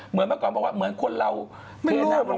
เหมือนเมื่อก่อนก็บอกว่าเหมือนคนเราเทน้ำ